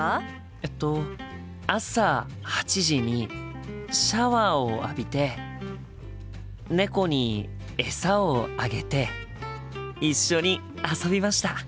えっと朝８時にシャワーを浴びて猫にえさをあげて一緒に遊びました。